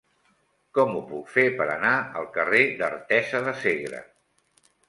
Com ho puc fer per anar al carrer d'Artesa de Segre?